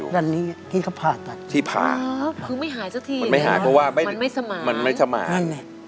เป็นน้องอยู่ที่ผ่าคือไม่หายซักทีมันไม่สมาน